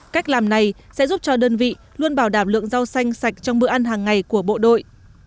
cách làm này sẽ giúp cho đơn vị luôn bảo đảm lượng rau xanh sạch trong bữa ăn hàng ngày của bộ đội